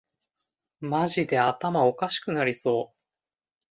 マジで頭おかしくなりそう